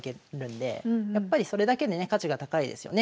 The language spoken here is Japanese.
やっぱりそれだけでね価値が高いですよね。